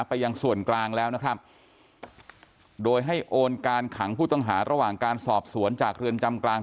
ไปยังส่วนกลางแล้วนะครับโดยให้โอนการขังผู้ต้องหาระหว่างการสอบสวนจากเรือนจำกลาง